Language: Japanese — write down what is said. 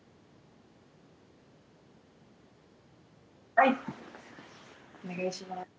はいお願いします。